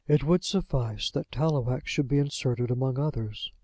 It would suffice that Tallowax should be inserted among others.